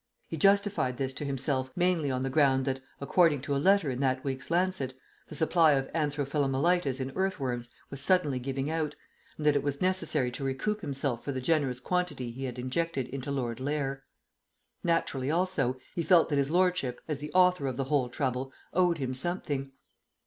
He justified this to himself mainly on the ground that, according to a letter in that week's Lancet, the supply of anthro philomelitis in earth worms was suddenly giving out, and that it was necessary to recoup himself for the generous quantity he had injected into Lord Lair. Naturally, also, he felt that his lordship, as the author of the whole trouble, owed him something.